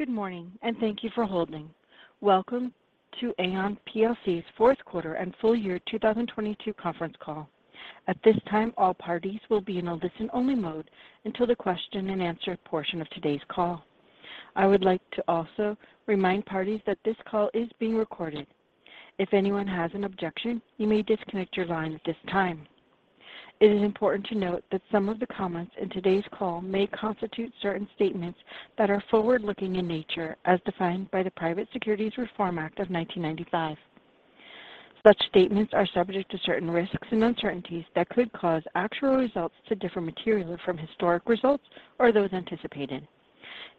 Good morning, and thank you for holding. Welcome to Aon plc's fourth quarter and full year 2022 conference call. At this time, all parties will be in a listen-only mode until the question and answer portion of today's call. I would like to also remind parties that this call is being recorded. If anyone has an objection, you may disconnect your line at this time. It is important to note that some of the comments in today's call may constitute certain statements that are forward-looking in nature as defined by the Private Securities Litigation Reform Act of 1995. Such statements are subject to certain risks and uncertainties that could cause actual results to differ materially from historic results or those anticipated.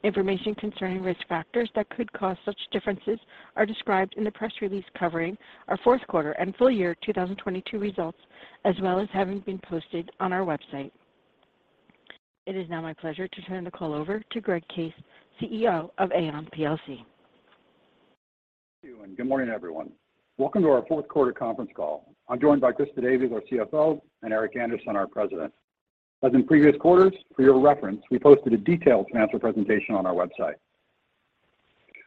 Information concerning risk factors that could cause such differences are described in the press release covering our fourth quarter and full year 2022 results, as well as having been posted on our website. It is now my pleasure to turn the call over to Greg Case, CEO of Aon plc. Thank you, good morning, everyone. Welcome to our fourth quarter conference call. I'm joined by Christa Davies, our CFO, and Eric Andersen, our President. As in previous quarters, for your reference, we posted a detailed financial presentation on our website.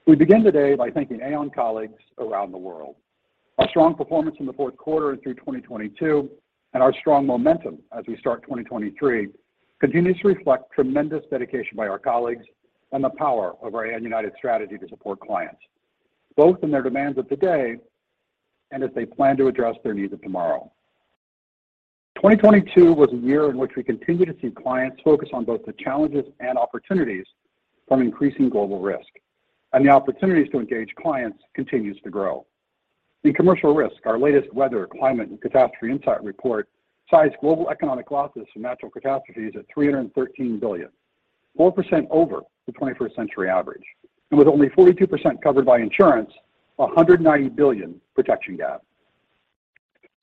We begin today by thanking Aon colleagues around the world. Our strong performance in the fourth quarter and through 2022 and our strong momentum as we start 2023 continues to reflect tremendous dedication by our colleagues and the power of our Aon United strategy to support clients, both in their demands of today and as they plan to address their needs of tomorrow. 2022 was a year in which we continued to see clients focus on both the challenges and opportunities from increasing global risk, the opportunities to engage clients continues to grow. In Commercial Risk, our latest Weather, Climate and Catastrophe Insight Report cites global economic losses from natural catastrophes at $313 billion, 4% over the 21st century average, and with only 42% covered by insurance, a $190 billion protection gap.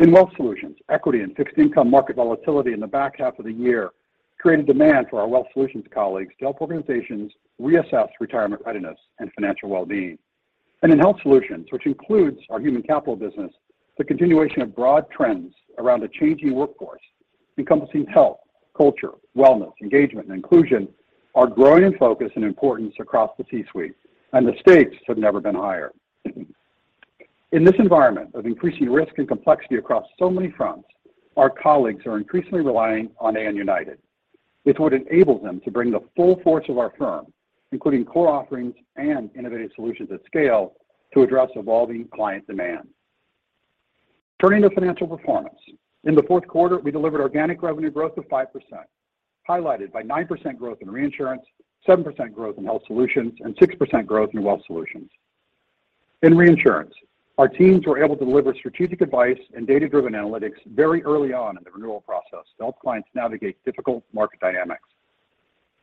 In Wealth Solutions, equity and fixed income market volatility in the back half of the year created demand for our Wealth Solutions colleagues to help organizations reassess retirement readiness and financial well-being. In Health Solutions, which includes our human capital business, the continuation of broad trends around a changing workforce encompassing health, culture, wellness, engagement, and inclusion are growing in focus and importance across the C-suite, and the stakes have never been higher. In this environment of increasing risk and complexity across so many fronts, our colleagues are increasingly relying on Aon United. It's what enables them to bring the full force of our firm, including core offerings and innovative solutions at scale, to address evolving client demand. Turning to financial performance. In the fourth quarter, we delivered organic revenue growth of 5%, highlighted by 9% growth in reinsurance, 7% growth in Health Solutions, and 6% growth in Wealth Solutions. In reinsurance, our teams were able to deliver strategic advice and data-driven analytics very early on in the renewal process to help clients navigate difficult market dynamics.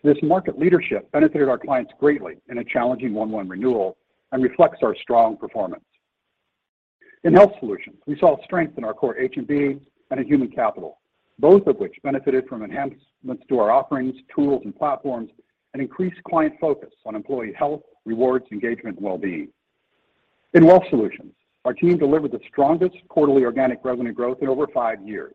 This market leadership benefited our clients greatly in a challenging one-one renewal and reflects our strong performance. In Health Solutions, we saw strength in our core H&B and in human capital, both of which benefited from enhancements to our offerings, tools, and platforms and increased client focus on employee health, rewards, engagement, and well-being. In Wealth Solutions, our team delivered the strongest quarterly organic revenue growth in over five years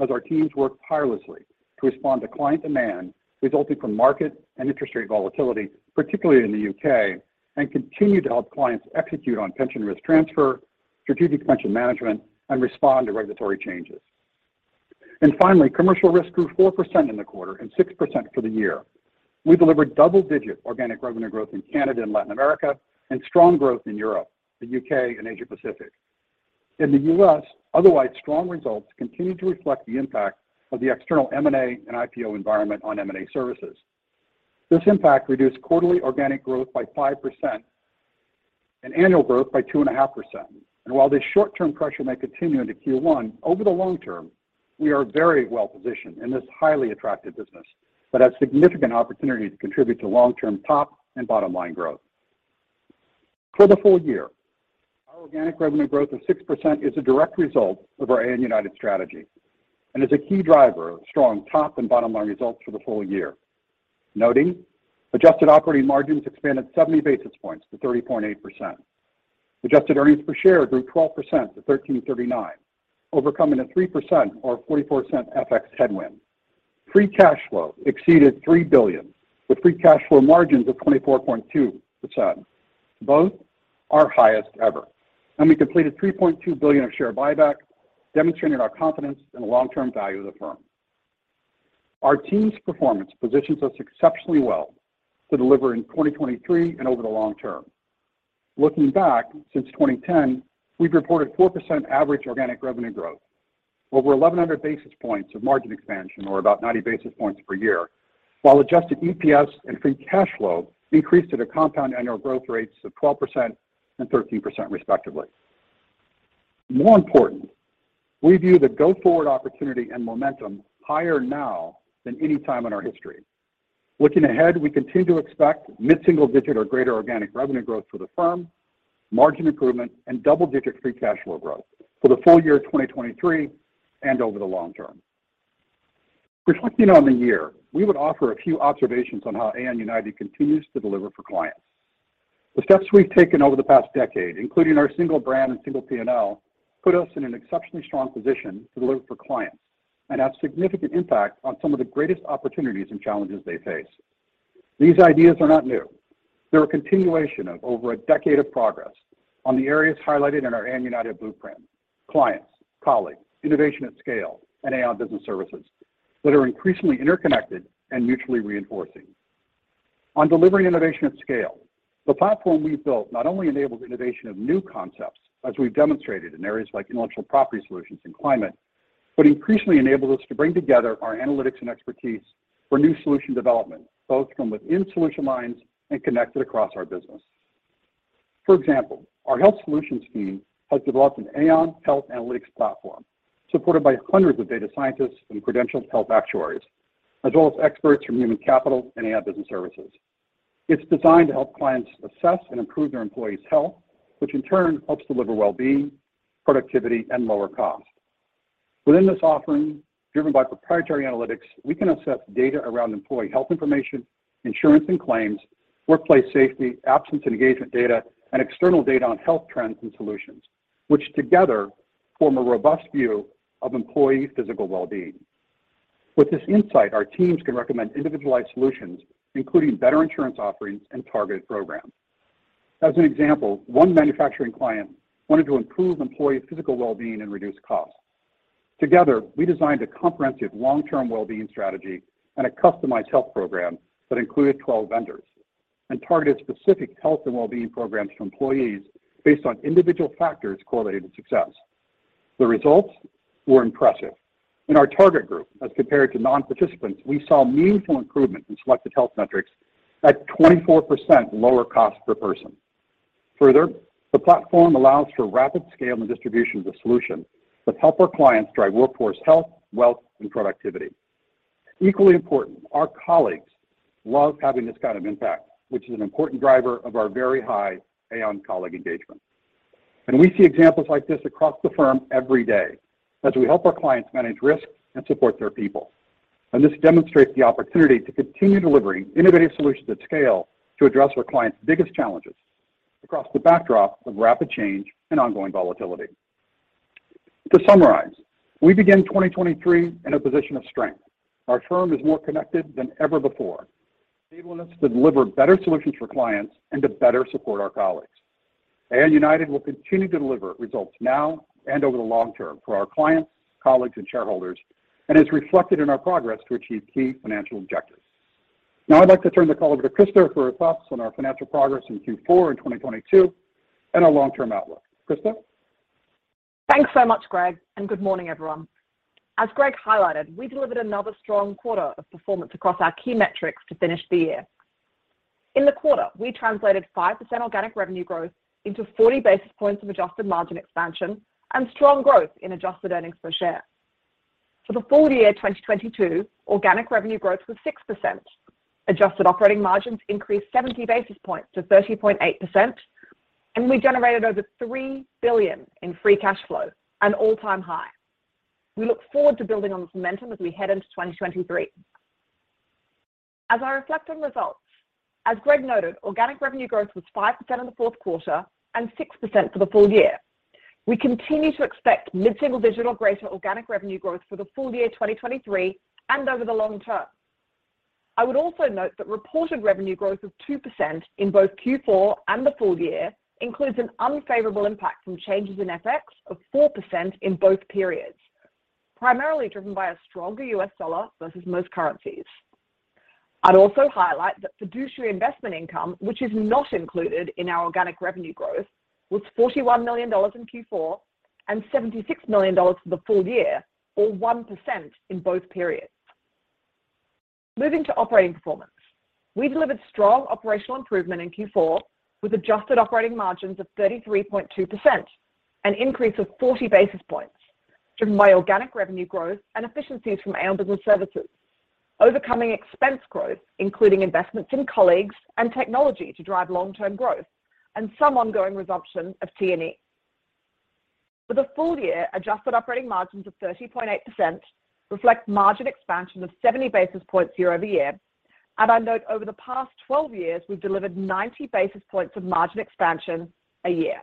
as our teams worked tirelessly to respond to client demand resulting from market and interest rate volatility, particularly in the U.K., and continued to help clients execute on pension risk transfer, strategic pension management, and respond to regulatory changes. Finally, Commercial Risk grew 4% in the quarter and 6% for the year. We delivered double-digit organic revenue growth in Canada and Latin America and strong growth in Europe, the U.K., and Asia Pacific. In the U.S., otherwise strong results continued to reflect the impact of the external M&A and IPO environment on M&A services. This impact reduced quarterly organic growth by 5% and annual growth by 2.5%. While this short-term pressure may continue into Q1, over the long term, we are very well positioned in this highly attractive business that has significant opportunity to contribute to long-term top and bottom line growth. For the full year, our organic revenue growth of 6% is a direct result of our Aon United strategy and is a key driver of strong top and bottom line results for the full year. Noting, adjusted operating margins expanded 70 basis points to 30.8%. Adjusted earnings per share grew 12% to $13.39, overcoming a 3% or $0.44 FX headwind. Free cash flow exceeded $3 billion, with free cash flow margins of 24.2%. Both our highest ever. We completed $3.2 billion of share buyback, demonstrating our confidence in the long-term value of the firm. Our team's performance positions us exceptionally well to deliver in 2023 and over the long term. Looking back, since 2010, we've reported 4% average organic revenue growth, over 1,100 basis points of margin expansion or about 90 basis points per year, while adjusted EPS and free cash flow increased at a compound annual growth rates of 12% and 13% respectively. More important, we view the go-forward opportunity and momentum higher now than any time in our history. Looking ahead, we continue to expect mid-single digit or greater organic revenue growth for the firm, margin improvement, and double-digit free cash flow growth for the full year 2023 and over the long term. Reflecting on the year, we would offer a few observations on how Aon United continues to deliver for clients. The steps we've taken over the past decade, including our single brand and single P&L, put us in an exceptionally strong position to deliver for clients and have significant impact on some of the greatest opportunities and challenges they face. These ideas are not new. They're a continuation of over a decade of progress on the areas highlighted in our Aon United Blueprint: clients, colleagues, innovation at scale, and Aon Business Services that are increasingly interconnected and mutually reinforcing. On delivering innovation at scale, the platform we've built not only enables innovation of new concepts, as we've demonstrated in areas like intellectual property solutions and climate, but increasingly enable us to bring together our analytics and expertise for new solution development, both from within solution lines and connected across our business. For example, our Health Solutions team has developed an Aon Health Analytics platform supported by hundreds of data scientists and credentialed health actuaries, as well as experts from human capital and Aon Business Services. It's designed to help clients assess and improve their employees' health, which in turn helps deliver well-being, productivity, and lower cost. Within this offering, driven by proprietary analytics, we can assess data around employee health information, insurance and claims, workplace safety, absence and engagement data, and external data on health trends and solutions, which together form a robust view of employee physical well-being. With this insight, our teams can recommend individualized solutions, including better insurance offerings and targeted programs. As an example, one manufacturing client wanted to improve employee physical well-being and reduce costs. Together, we designed a comprehensive long-term well-being strategy and a customized health program that included 12 vendors and targeted specific health and well-being programs to employees based on individual factors correlated to success. The results were impressive. In our target group, as compared to non-participants, we saw meaningful improvement in selected health metrics at 24% lower cost per person. The platform allows for rapid scale and distribution of the solution to help our clients drive workforce health, wealth, and productivity. Equally important, our colleagues love having this kind of impact, which is an important driver of our very high Aon colleague engagement. We see examples like this across the firm every day as we help our clients manage risk and support their people. This demonstrates the opportunity to continue delivering innovative solutions at scale to address our clients' biggest challenges across the backdrop of rapid change and ongoing volatility. To summarize, we begin 2023 in a position of strength. Our firm is more connected than ever before, enabling us to deliver better solutions for clients and to better support our colleagues. Aon United will continue to deliver results now and over the long term for our clients, colleagues, and shareholders, and is reflected in our progress to achieve key financial objectives. Now I'd like to turn the call over to Christa for thoughts on our financial progress in Q4 in 2022 and our long-term outlook. Christa? Thanks so much, Greg. Good morning, everyone. As Greg highlighted, we delivered another strong quarter of performance across our key metrics to finish the year. In the quarter, we translated 5% organic revenue growth into 40 basis points of adjusted margin expansion and strong growth in adjusted EPS. For the full year 2022, organic revenue growth was 6%, adjusted operating margins increased 70 basis points to 30.8%, and we generated over $3 billion in free cash flow, an all-time high. We look forward to building on this momentum as we head into 2023. As I reflect on results, as Greg noted, organic revenue growth was 5% in the fourth quarter and 6% for the full year. We continue to expect mid-single digit or greater organic revenue growth for the full year 2023 and over the long term. I would also note that reported revenue growth of 2% in both Q4 and the full year includes an unfavorable impact from changes in FX of 4% in both periods, primarily driven by a stronger US dollar versus most currencies. I'd also highlight that fiduciary investment income, which is not included in our organic revenue growth, was $41 million in Q4 and $76 million for the full year or 1% in both periods. Moving to operating performance. We delivered strong operational improvement in Q4 with adjusted operating margins of 33.2%, an increase of 40 basis points driven by organic revenue growth and efficiencies from Aon Business Services, overcoming expense growth, including investments in colleagues and technology to drive long-term growth and some ongoing resumption of T&E. For the full year, adjusted operating margins of 30.8% reflect margin expansion of 70 basis points year-over-year. I note over the past 12 years, we've delivered 90 basis points of margin expansion a year.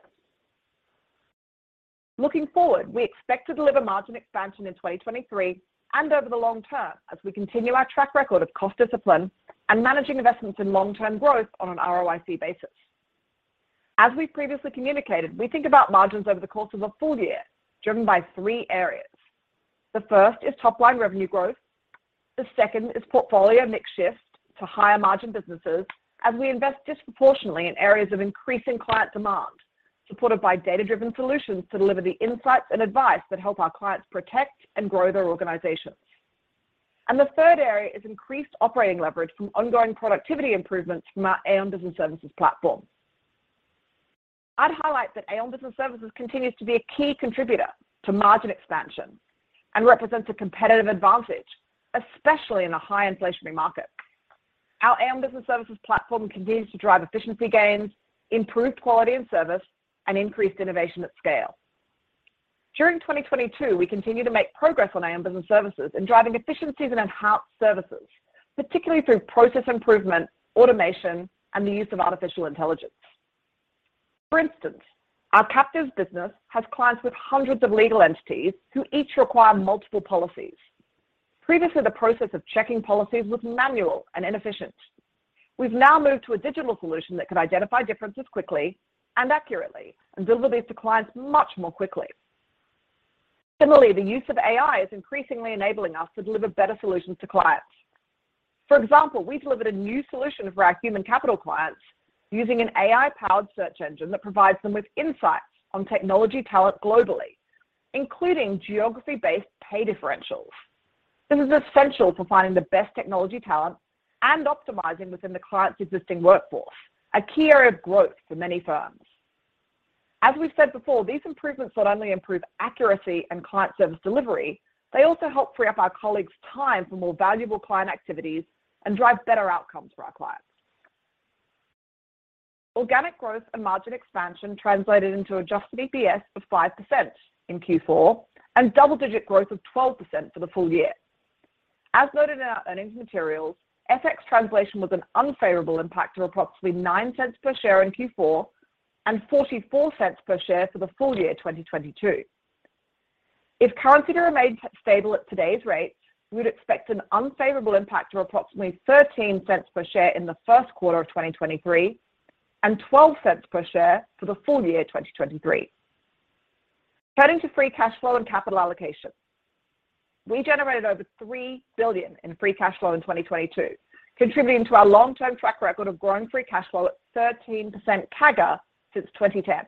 Looking forward, we expect to deliver margin expansion in 2023 and over the long term as we continue our track record of cost discipline and managing investments in long-term growth on an ROIC basis. As we've previously communicated, we think about margins over the course of a full year, driven by three areas. The first is top-line revenue growth, the second is portfolio mix shift to higher margin businesses as we invest disproportionately in areas of increasing client demand, supported by data driven solutions to deliver the insights and advice that help our clients protect and grow their organizations. The third area is increased operating leverage from ongoing productivity improvements from our Aon Business Services platform. I'd highlight that Aon Business Services continues to be a key contributor to margin expansion and represents a competitive advantage, especially in a high inflationary market. Our Aon Business Services platform continues to drive efficiency gains, improved quality and service, and increased innovation at scale. During 2022, we continued to make progress on Aon Business Services in driving efficiencies and enhanced services, particularly through process improvement, automation, and the use of artificial intelligence. For instance, our captives business has clients with hundreds of legal entities who each require multiple policies. Previously, the process of checking policies was manual and inefficient. We've now moved to a digital solution that can identify differences quickly and accurately and deliver these to clients much more quickly. The use of AI is increasingly enabling us to deliver better solutions to clients. For example, we delivered a new solution for our human capital clients using an AI-powered search engine that provides them with insights on technology talent globally, including geography-based pay differentials. This is essential for finding the best technology talent and optimizing within the client's existing workforce, a key area of growth for many firms. As we've said before, these improvements not only improve accuracy and client service delivery, they also help free up our colleagues' time for more valuable client activities and drive better outcomes for our clients. Organic growth and margin expansion translated into adjusted EPS of 5% in Q4 and double-digit growth of 12% for the full year. As noted in our earnings materials, FX translation was an unfavorable impact of approximately $0.09 per share in Q4 and $0.44 per share for the full year 2022. If currency remains stable at today's rates, we would expect an unfavorable impact of approximately $0.13 per share in the first quarter of 2023 and $0.12 per share for the full year 2023. Turning to free cash flow and capital allocation. We generated over $3 billion in free cash flow in 2022, contributing to our long-term track record of growing free cash flow at 13% CAGR since 2010.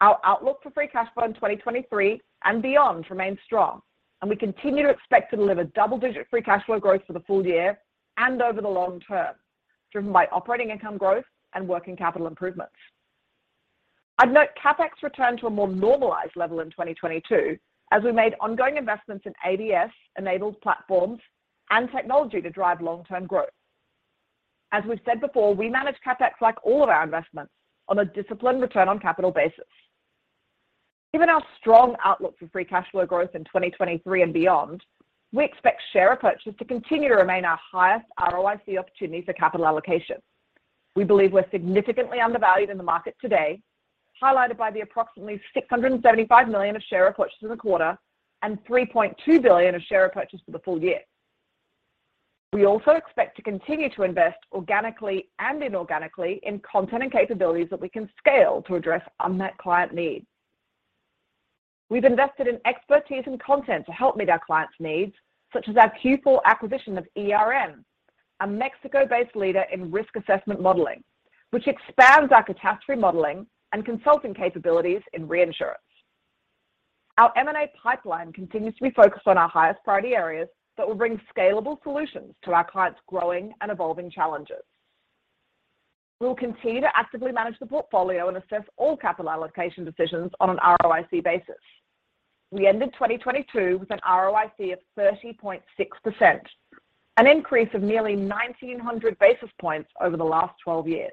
Our outlook for free cash flow in 2023 and beyond remains strong, and we continue to expect to deliver double-digit free cash flow growth for the full year and over the long term, driven by operating income growth and working capital improvements. I'd note CapEx returned to a more normalized level in 2022 as we made ongoing investments in ADS-enabled platforms and technology to drive long-term growth. We've said before, we manage CapEx like all of our investments on a disciplined return on capital basis. Given our strong outlook for free cash flow growth in 2023 and beyond, we expect share purchases to continue to remain our highest ROIC opportunity for capital allocation. We believe we're significantly undervalued in the market today, highlighted by the approximately $675 million of share repurchase in the quarter and $3.2 billion of share repurchase for the full year. We also expect to continue to invest organically and inorganically in content and capabilities that we can scale to address unmet client needs. We've invested in expertise and content to help meet our clients' needs, such as our Q4 acquisition of ERN, a Mexico-based leader in risk assessment modeling, which expands our catastrophe modeling and consulting capabilities in reinsurance. Our M&A pipeline continues to be focused on our highest priority areas that will bring scalable solutions to our clients' growing and evolving challenges. We'll continue to actively manage the portfolio and assess all capital allocation decisions on an ROIC basis. We ended 2022 with an ROIC of 30.6%, an increase of nearly 1,900 basis points over the last 12 years.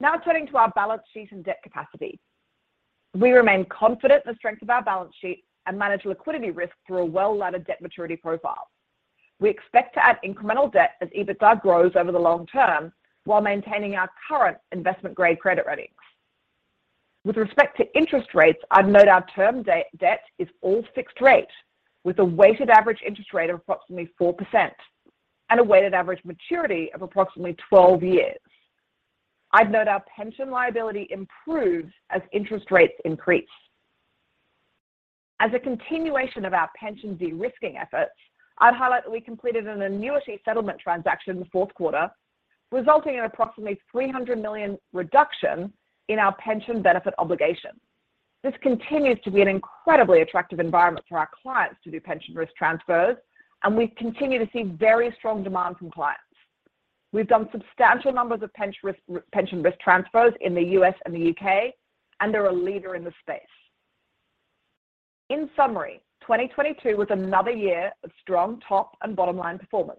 Now turning to our balance sheet and debt capacity. We remain confident in the strength of our balance sheet and manage liquidity risk through a well-leveled debt maturity profile. We expect to add incremental debt as EBITDA grows over the long term while maintaining our current investment-grade credit ratings. With respect to interest rates, I'd note our term debt is all fixed rate with a weighted average interest rate of approximately 4% and a weighted average maturity of approximately 12 years. I'd note our pension liability improves as interest rates increase. As a continuation of our pension de-risking efforts, I'd highlight that we completed an annuity settlement transaction in the fourth quarter, resulting in approximately $300 million reduction in our pension benefit obligation. This continues to be an incredibly attractive environment for our clients to do pension risk transfers. We continue to see very strong demand from clients. We've done substantial numbers of pension risk transfers in the U.S. and the U.K. They're a leader in the space. In summary, 2022 was another year of strong top and bottom line performance,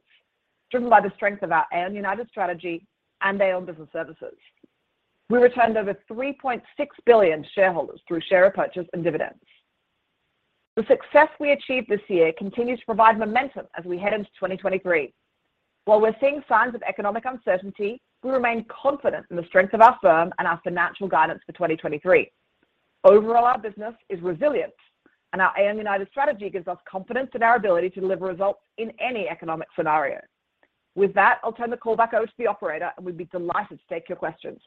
driven by the strength of our Aon United strategy and Aon Business Services. We returned over $3.6 billion shareholders through share repurchases and dividends. The success we achieved this year continues to provide momentum as we head into 2023. While we're seeing signs of economic uncertainty, we remain confident in the strength of our firm and our financial guidance for 2023. Overall, our business is resilient and our Aon United strategy gives us confidence in our ability to deliver results in any economic scenario. With that, I'll turn the call back over to the operator, and we'd be delighted to take your questions.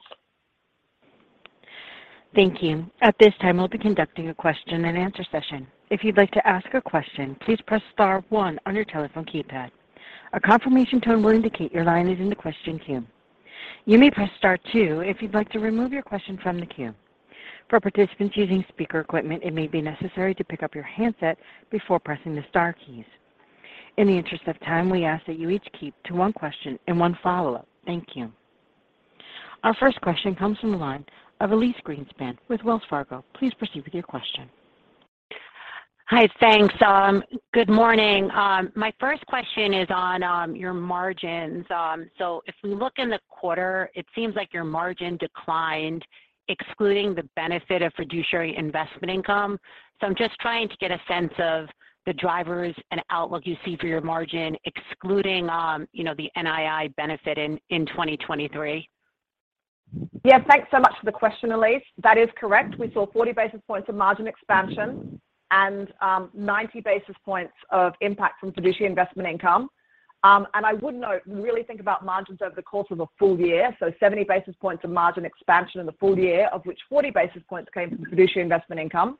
Thank you. At this time, we'll be conducting a question and answer session. If you'd like to ask a question, please press star one on your telephone keypad. A confirmation tone will indicate your line is in the question queue. You may press star two if you'd like to remove your question from the queue. For participants using speaker equipment, it may be necessary to pick up your handset before pressing the star keys. In the interest of time, we ask that you each keep to one question and one follow-up. Thank you. Our first question comes from the line of Elyse Greenspan with Wells Fargo. Please proceed with your question Hi, thanks. Good morning. My first question is on your margins. If we look in the quarter, it seems like your margin declined excluding the benefit of fiduciary investment income. I'm just trying to get a sense of the drivers and outlook you see for your margin excluding, you know, the NII benefit in 2023. Yeah. Thanks so much for the question, Elyse. That is correct. We saw 40 basis points of margin expansion and 90 basis points of impact from fiduciary investment income. I would note, really think about margins over the course of a full year, so 70 basis points of margin expansion in the full year, of which 40 basis points came from fiduciary investment income.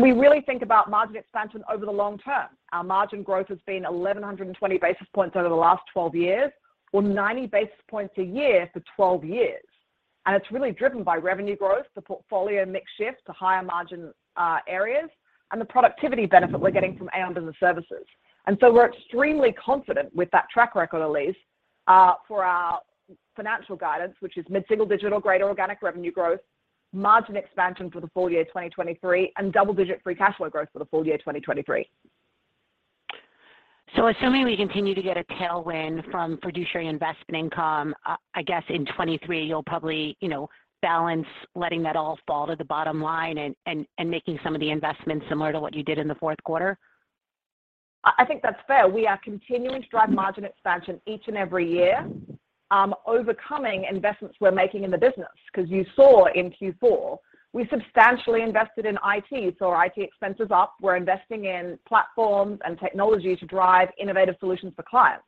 We really think about margin expansion over the long term. Our margin growth has been 1,120 basis points over the last 12 years or 90 basis points a year for 12 years. It's really driven by revenue growth, the portfolio mix shift to higher margin areas, and the productivity benefit we're getting from Aon Business Services. We're extremely confident with that track record, Elyse, for our financial guidance, which is mid-single digital, greater organic revenue growth, margin expansion for the full year 2023, and double-digit free cash flow growth for the full year 2023. Assuming we continue to get a tailwind from fiduciary investment income, I guess in 2023, you'll probably, you know, balance letting that all fall to the bottom line and making some of the investments similar to what you did in the fourth quarter? I think that's fair. We are continuing to drive margin expansion each and every year, overcoming investments we're making in the business. 'Cause you saw in Q4, we substantially invested in IT. Saw IT expenses up. We're investing in platforms and technology to drive innovative solutions for clients.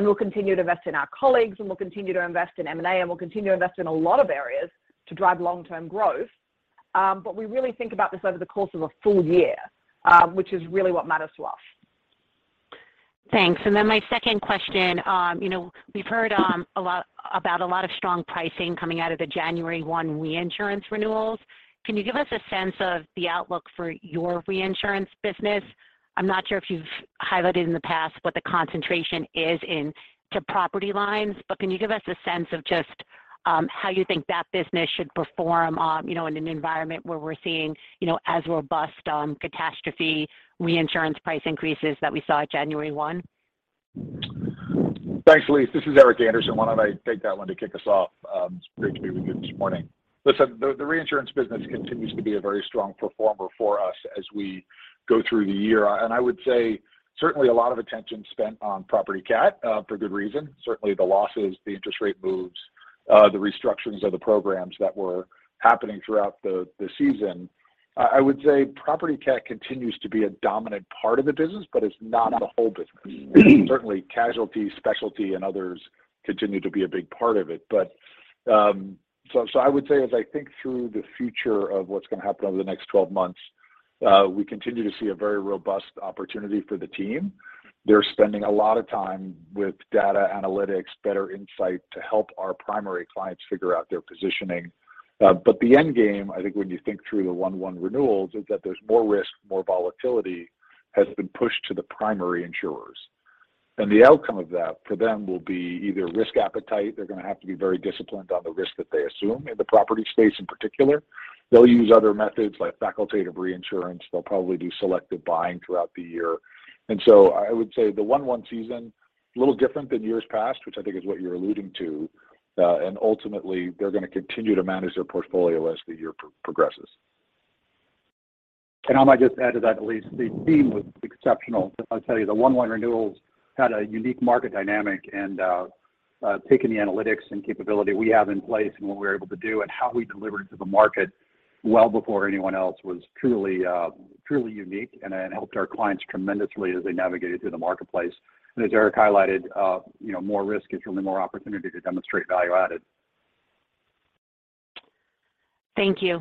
We'll continue to invest in our colleagues, and we'll continue to invest in M&A, and we'll continue to invest in a lot of areas to drive long-term growth. We really think about this over the course of a full year, which is really what matters to us. Thanks. My second question, you know, we've heard a lot about a lot of strong pricing coming out of the January 1 reinsurance renewals. Can you give us a sense of the outlook for your reinsurance business? I'm not sure if you've highlighted in the past what the concentration is in to property lines, but can you give us a sense of just how you think that business should perform, you know, in an environment where we're seeing, you know, as robust catastrophe reinsurance price increases that we saw January 1? Thanks, Elyse. This is Eric Andersen. Why don't I take that one to kick us off? It's great to be with you this morning. Listen, the reinsurance business continues to be a very strong performer for us as we go through the year. I would say certainly a lot of attention spent on property cat, for good reason. Certainly, the losses, the interest rate moves, the restructurings of the programs that were happening throughout the season. I would say property cat continues to be a dominant part of the business, but it's not the whole business. Certainly casualty, specialty, and others continue to be a big part of it. I would say as I think through the future of what's gonna happen over the next 12 months, we continue to see a very robust opportunity for the team. They're spending a lot of time with data analytics, better insight to help our primary clients figure out their positioning. The end game, I think when you think through the 1/1 renewals, is that there's more risk, more volatility has been pushed to the primary insurers. The outcome of that for them will be either risk appetite. They're gonna have to be very disciplined on the risk that they assume in the property space in particular. They'll use other methods like facultative reinsurance. They'll probably do selective buying throughout the year. I would say the 1/1 season, a little different than years past, which I think is what you're alluding to. Ultimately, they're gonna continue to manage their portfolio as the year progresses. I might just add to that, Elyse. The team was exceptional. I'll tell you, the 1/1 renewals had a unique market dynamic and taking the analytics and capability we have in place and what we're able to do and how we delivered to the market well before anyone else was truly unique and helped our clients tremendously as they navigated through the marketplace. As Eric highlighted, you know, more risk is really more opportunity to demonstrate value added. Thank you.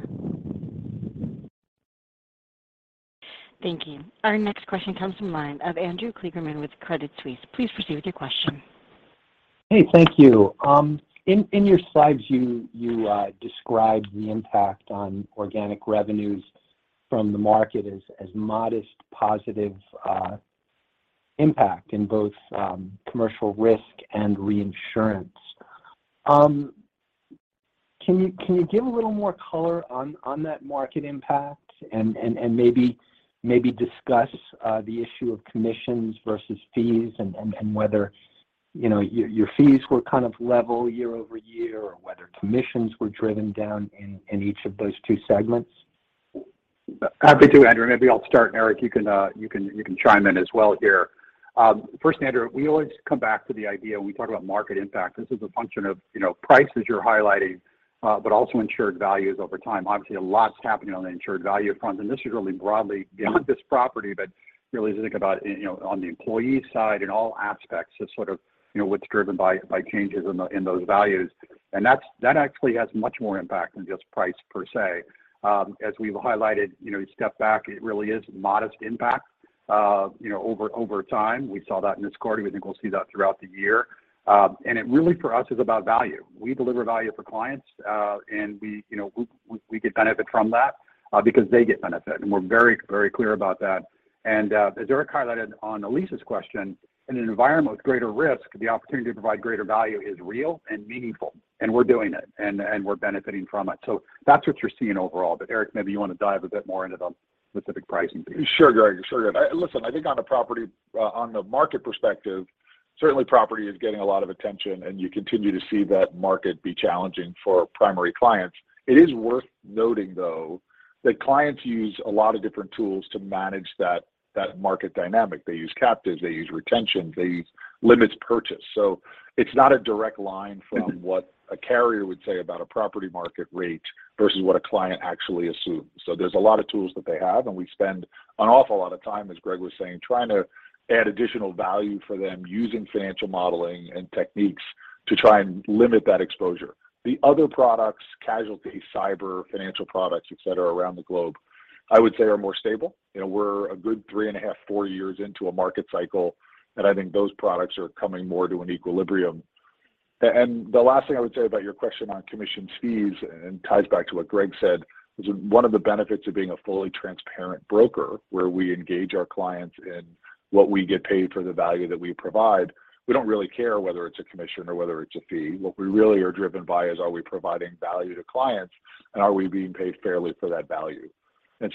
Thank you. Our next question comes from the line of Andrew Kligerman with Credit Suisse. Please proceed with your question. Hey, thank you. In your slides, you described the impact on organic revenues from the market as modest positive impact in both Commercial Risk and reinsurance. Can you give a little more color on that market impact and maybe discuss the issue of commissions versus fees and whether, you know, your fees were kind of level year-over-year or whether commissions were driven down in each of those two segments? Happy to, Andrew. Maybe I'll start, Eric, you can chime in as well here. First, Andrew, we always come back to the idea when we talk about market impact. This is a function of, you know, prices you're highlighting, also insured values over time. Obviously, a lot's happening on the insured value front, this is really broadly beyond this property, really as you think about, you know, on the employee side and all aspects of sort of, you know, what's driven by changes in the, in those values. That actually has much more impact than just price per se. As we've highlighted, you know, you step back, it really is modest impact, you know, over time. We saw that in this quarter. We think we'll see that throughout the year. It really for us is about value. We deliver value for clients, you know, we get benefit from that because they get benefit, we're very, very clear about that. As Eric highlighted on Elyse's question, in an environment with greater risk, the opportunity to provide greater value is real and meaningful, and we're doing it and we're benefiting from it. That's what you're seeing overall. Eric, maybe you want to dive a bit more into the specific pricing piece. Sure, Greg. Sure. Listen, I think on the market perspective, certainly property is getting a lot of attention, and you continue to see that market be challenging for primary clients. It is worth noting, though, that clients use a lot of different tools to manage that market dynamic. They use captives, they use retention, they use limits purchase. It's not a direct line from what a carrier would say about a property market rate versus what a client actually assumes. There's a lot of tools that they have, and we spend an awful lot of time, as Greg was saying, trying to add additional value for them using financial modeling and techniques to try and limit that exposure. The other products, casualty, cyber, financial products, et cetera, around the globe, I would say are more stable. You know, we're a good three and a half, four years into a market cycle. I think those products are coming more to an equilibrium. The last thing I would say about your question on commissions fees and ties back to what Greg said is one of the benefits of being a fully transparent broker, where we engage our clients in what we get paid for the value that we provide. We don't really care whether it's a commission or whether it's a fee. What we really are driven by is are we providing value to clients and are we being paid fairly for that value.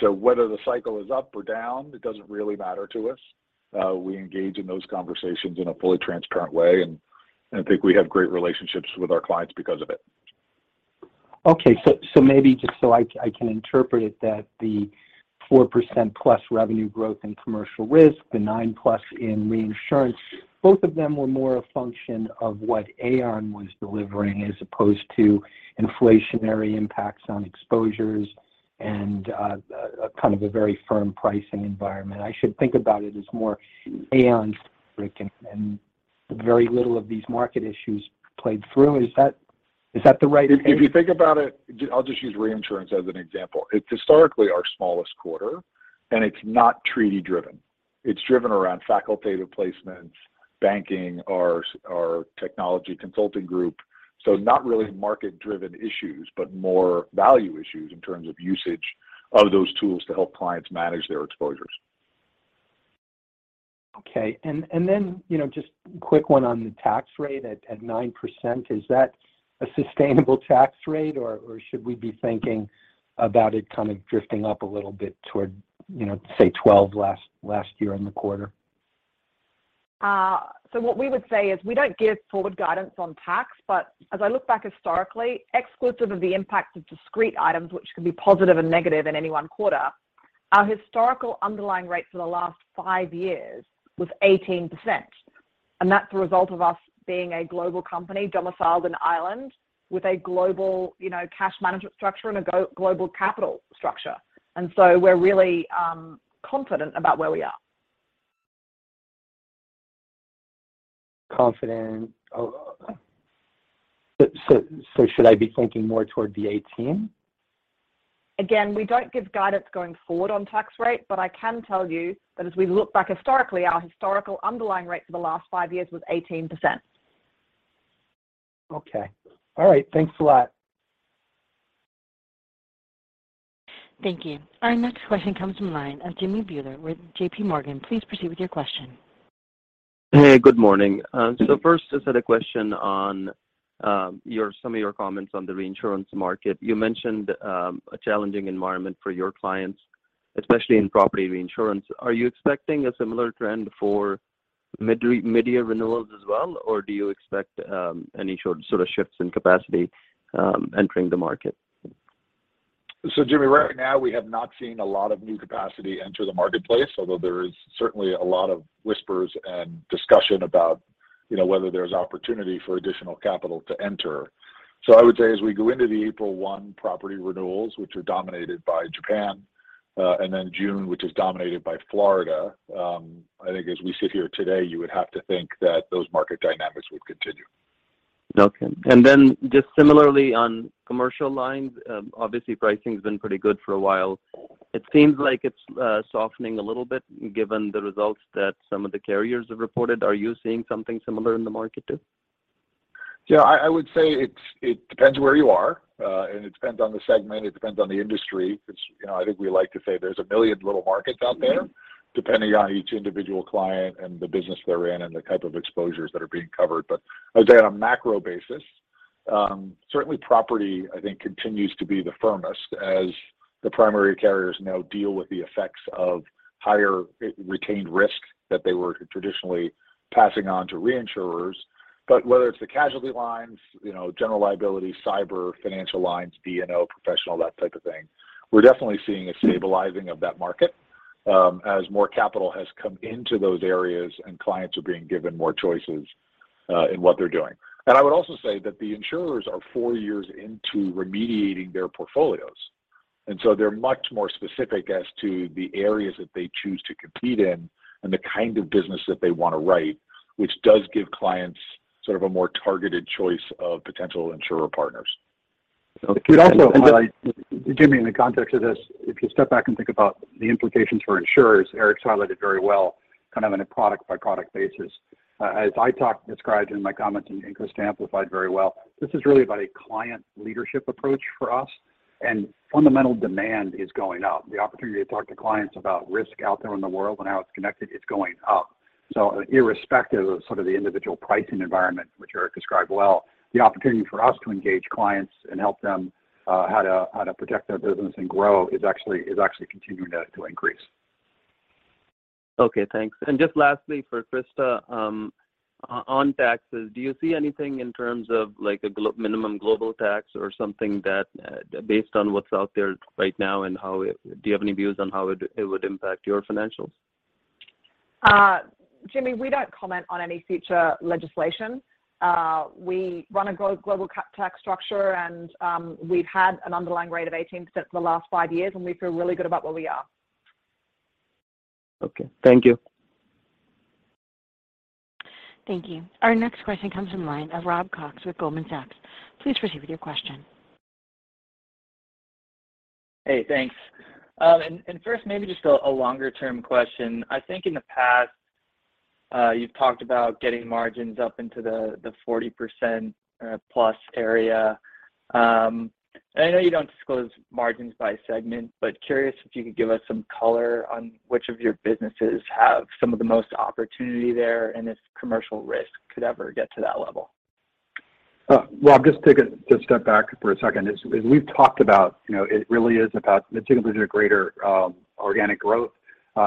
Whether the cycle is up or down, it doesn't really matter to us. We engage in those conversations in a fully transparent way. I think we have great relationships with our clients because of it. So maybe just so I can interpret it that the 4%+ revenue growth in Commercial Risk, the 9%+ in reinsurance, both of them were more a function of what Aon was delivering as opposed to inflationary impacts on exposures and a kind of a very firm pricing environment. I should think about it as more Aon and very little of these market issues played through. Is that the right? If you think about it. I'll just use reinsurance as an example. It's historically our smallest quarter, and it's not treaty-driven. It's driven around facultative placements, banking, our technology consulting group. Not really market-driven issues, but more value issues in terms of usage of those tools to help clients manage their exposures. Okay. Then, you know, just quick one on the tax rate at 9%, is that a sustainable tax rate or should we be thinking about it kind of drifting up a little bit toward, you know, say 12 last year in the quarter? What we would say is we don't give forward guidance on tax. As I look back historically, exclusive of the impact of discrete items, which can be positive and negative in any one quarter, our historical underlying rate for the last five years was 18%. That's a result of us being a global company domiciled in Ireland with a global, you know, cash management structure and a go-global capital structure. We're really confident about where we are. Confident. Should I be thinking more toward the 18? Again, we don't give guidance going forward on tax rate, but I can tell you that as we look back historically, our historical underlying rate for the last five years was 18%. Okay. All right. Thanks a lot. Thank you. Our next question comes from the line of Jimmy Bhullar with J.P. Morgan. Please proceed with your question. Hey, good morning. First just had a question on your comments on the reinsurance market. You mentioned a challenging environment for your clients, especially in property reinsurance. Are you expecting a similar trend for midyear renewals as well, or do you expect any short sort of shifts in capacity entering the market? Jimmy, right now we have not seen a lot of new capacity enter the marketplace, although there is certainly a lot of whispers and discussion about, you know, whether there's opportunity for additional capital to enter. I would say as we go into the April 1 property renewals, which are dominated by Japan, and then June, which is dominated by Florida, I think as we sit here today, you would have to think that those market dynamics would continue. Okay. Just similarly on Commercial Risk, obviously pricing's been pretty good for a while. It seems like it's softening a little bit given the results that some of the carriers have reported. Are you seeing something similar in the market too? Yeah, I would say it depends where you are, and it depends on the segment, it depends on the industry. It's, you know, I think we like to say there's 1 million little markets out there depending on each individual client and the business they're in and the type of exposures that are being covered. I would say on a macro basis, certainly property I think continues to be the firmest as the primary carriers now deal with the effects of higher retained risk that they were traditionally passing on to reinsurers. Whether it's the casualty lines, you know, general liability, cyber, financial lines, D&O, professional, that type of thing, we're definitely seeing a stabilizing of that market, as more capital has come into those areas and clients are being given more choices in what they're doing. I would also say that the insurers are four years into remediating their portfolios, and so they're much more specific as to the areas that they choose to compete in and the kind of business that they want to write, which does give clients sort of a more targeted choice of potential insurer partners. Could I also highlight, Jimmy, in the context of this, if you step back and think about the implications for insurers, Eric's highlighted very well, kind of on a product by product basis. As I described in my comments, and Christa amplified very well, this is really about a client leadership approach for us. Fundamental demand is going up. The opportunity to talk to clients about risk out there in the world and how it's connected is going up. Irrespective of sort of the individual pricing environment, which Eric described well, the opportunity for us to engage clients and help them how to protect their business and grow is actually continuing to increase. Okay, thanks. Just lastly for Christa, on taxes, do you see anything in terms of like a minimum global tax or something that, based on what's out there right now and how it. Do you have any views on how it would impact your financials? Jimmy, we don't comment on any future legislation. We run a global tax structure, and we've had an underlying rate of 18% for the last 5 years, and we feel really good about where we are. Okay. Thank you. Thank you. Our next question comes from line of Alex Scott with Goldman Sachs. Please proceed with your question. Hey, thanks. First maybe just a longer term question. I think in the past, you've talked about getting margins up into the 40% plus area. I know you don't disclose margins by segment, but curious if you could give us some color on which of your businesses have some of the most opportunity there and if Commercial Risk could ever get to that level. Well, I'll just take a step back for a second. As we've talked about, you know, it really is about mid-single digit or greater organic growth,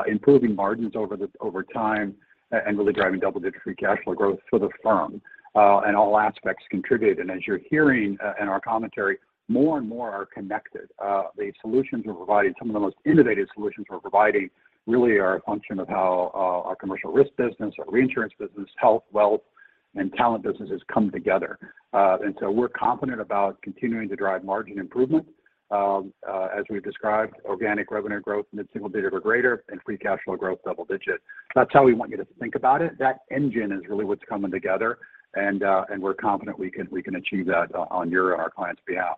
improving margins over time and really driving double-digit free cash flow growth for the firm, and all aspects contribute. As you're hearing in our commentary, more and more are connected. The solutions we're providing, some of the most innovative solutions we're providing really are a function of how our Commercial Risk business, our reinsurance business, Health, Wealth, and talent businesses come together. We're confident about continuing to drive margin improvement. As we've described, organic revenue growth mid-single digit or greater and free cash flow growth double digit. That's how we want you to think about it. That engine is really what's coming together and we're confident we can achieve that on your and our clients' behalf.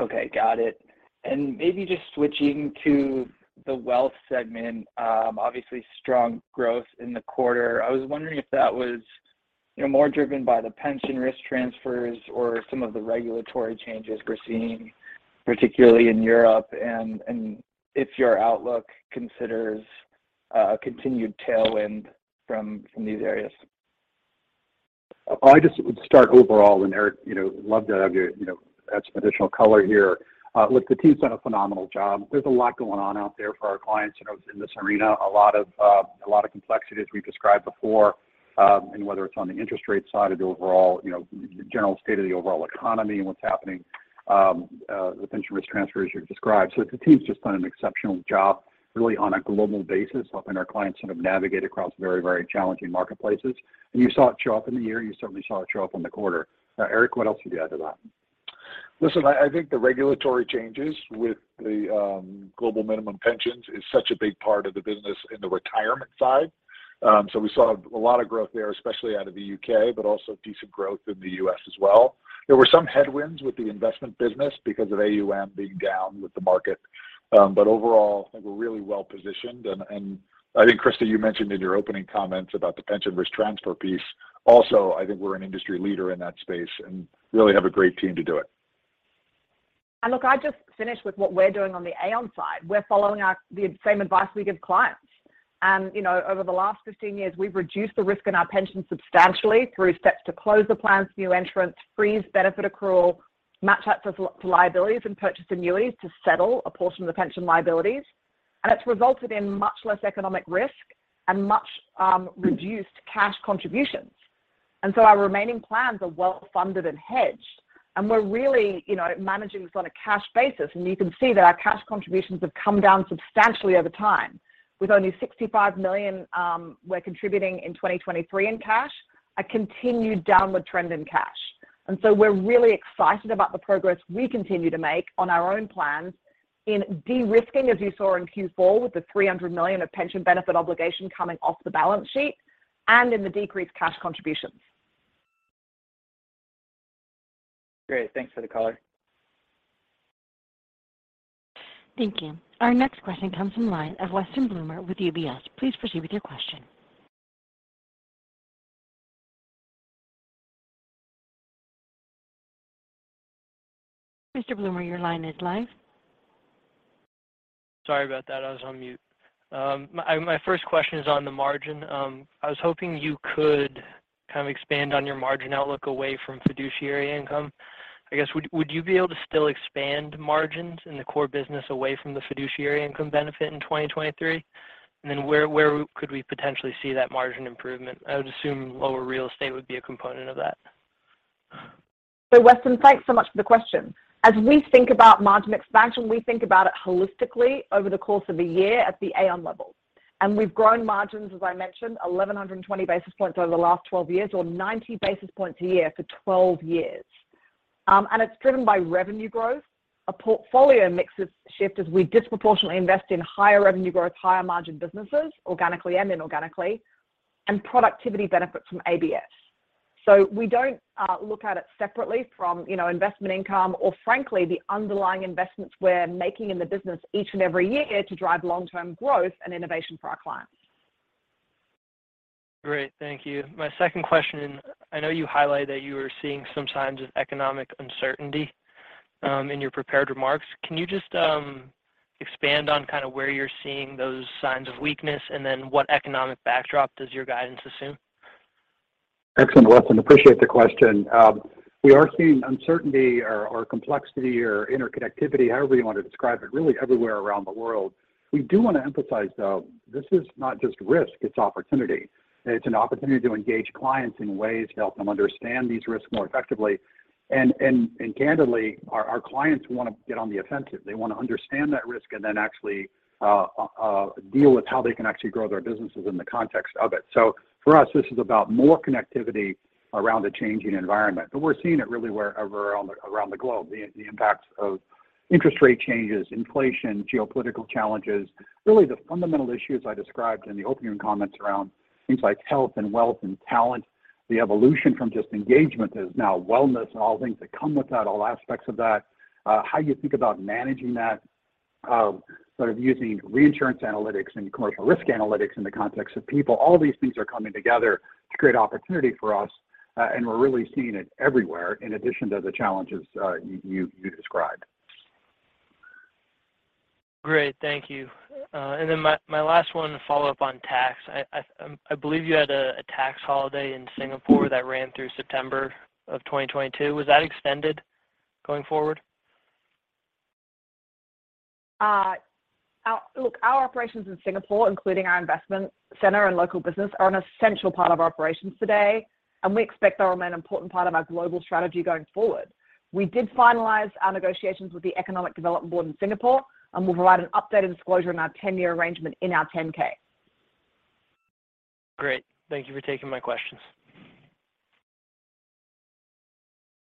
Okay, got it. Maybe just switching to the Wealth segment, obviously strong growth in the quarter. I was wondering if that was, you know, more driven by the pension risk transfers or some of the regulatory changes we're seeing, particularly in Europe, and if your outlook considers continued tailwind from these areas? I just would start overall. Eric, you know, love to have you know, add some additional color here. Look, the team's done a phenomenal job. There's a lot going on out there for our clients, you know, in this arena. A lot of, a lot of complexities we've described before. Whether it's on the interest rate side or the overall, you know, general state of the overall economy and what's happening, with pension risk transfers you've described. The team's just done an exceptional job really on a global basis helping our clients sort of navigate across very, very challenging marketplaces. You saw it show up in the year, you certainly saw it show up in the quarter. Eric, what else would you add to that? Listen, I think the regulatory changes with the global minimum pensions is such a big part of the business in the retirement side. We saw a lot of growth there, especially out of the U.K., but also decent growth in the U.S. as well. There were some headwinds with the investment business because of AUM being down with the market. Overall, I think we're really well positioned. I think, Christa Davies, you mentioned in your opening comments about the pension risk transfer piece. I think we're an industry leader in that space and really have a great team to do it. Look, I'd just finish with what we're doing on the Aon side. We're following the same advice we give clients. You know, over the last 15 years, we've reduced the risk in our pension substantially through steps to close the plans, new entrants, freeze benefit accrual, match up to liabilities, and purchase annuities to settle a portion of the pension liabilities. It's resulted in much less economic risk and much reduced cash contributions. Our remaining plans are well-funded and hedged, and we're really, you know, managing this on a cash basis, and you can see that our cash contributions have come down substantially over time. With only $65 million, we're contributing in 2023 in cash, a continued downward trend in cash. We're really excited about the progress we continue to make on Aon plans in de-risking, as you saw in Q4, with the $300 million of pension benefit obligation coming off the balance sheet and in the decreased cash contributions. Great. Thanks for the color. Thank you. Our next question comes from line of Weston Bloomer with UBS. Please proceed with your question. Mr. Bloomer, your line is live. Sorry about that, I was on mute. My first question is on the margin. I was hoping you could kind of expand on your margin outlook away from fiduciary income. I guess, would you be able to still expand margins in the core business away from the fiduciary income benefit in 2023? Where could we potentially see that margin improvement? I would assume lower real estate would be a component of that. Weston, thanks so much for the question. As we think about margin expansion, we think about it holistically over the course of a year at the Aon level. We've grown margins, as I mentioned, 1,120 basis points over the last 12 years or 90 basis points a year for 12 years. It's driven by revenue growth, a portfolio mix of shift as we disproportionately invest in higher revenue growth, higher margin businesses, organically and inorganically, and productivity benefits from ABS. We don't look at it separately from, you know, investment income or frankly, the underlying investments we're making in the business each and every year to drive long-term growth and innovation for our clients. Great. Thank you. My second question, I know you highlighted that you were seeing some signs of economic uncertainty, in your prepared remarks. Can you just expand on kind of where you're seeing those signs of weakness, and then what economic backdrop does your guidance assume? Excellent, Weston. Appreciate the question. We are seeing uncertainty or complexity or interconnectivity, however you want to describe it, really everywhere around the world. We do want to emphasize, though, this is not just risk, it's opportunity. It's an opportunity to engage clients in ways to help them understand these risks more effectively. Candidly, our clients want to get on the offensive. They want to understand that risk and then actually deal with how they can actually grow their businesses in the context of it. For us, this is about more connectivity around a changing environment. We're seeing it really wherever around the globe, the impacts of interest rate changes, inflation, geopolitical challenges. Really the fundamental issues I described in the opening comments around things like health and wealth and talent. The evolution from just engagement is now wellness and all things that come with that, all aspects of that, how you think about managing that, sort of using reinsurance analytics and Commercial Risk analytics in the context of people. All these things are coming together to create opportunity for us, and we're really seeing it everywhere, in addition to the challenges, you described. Great. Thank you. My last one to follow up on tax. I believe you had a tax holiday in Singapore that ran through September of 2022. Was that extended going forward? Our operations in Singapore, including our investment center and local business, are an essential part of our operations today. We expect they'll remain an important part of our global strategy going forward. We did finalize our negotiations with the Economic Development Board in Singapore. We'll provide an updated disclosure on our 10-year arrangement in our 10-K. Great. Thank you for taking my questions.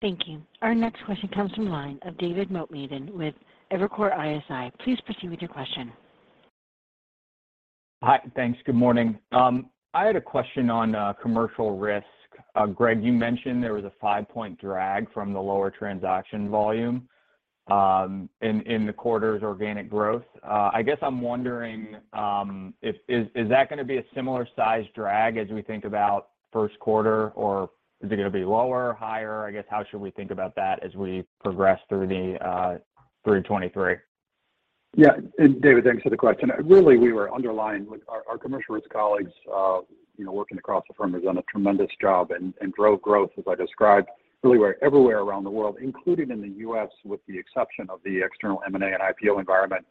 Thank you. Our next question comes from the line of David Motemaden with Evercore ISI. Please proceed with your question. Hi. Thanks. Good morning. I had a question on Commercial Risk. Greg, you mentioned there was a 5-point drag from the lower transaction volume in the quarter's organic growth. I guess I'm wondering, is that gonna be a similar size drag as we think about first quarter, or is it gonna be lower or higher? I guess, how should we think about that as we progress through 2023? Yeah. David, thanks for the question. Really, we were underlying. Look, our Commercial Risk colleagues, you know, working across the firm has done a tremendous job and drove growth, as I described, really everywhere around the world, including in the U.S., with the exception of the external M&A and IPO environment,